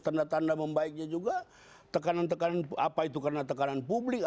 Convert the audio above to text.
tanda tanda membaiknya juga tekanan tekanan apa itu karena tekanan publik